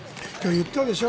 言ったでしょ。